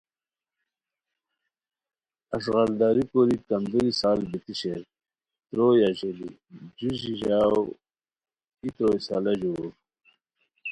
اݱغال داری کوری کندوری سال بیتی شیر، تروئے اژیلی, جُو ژیژاؤ ای تروئے سالہ ژور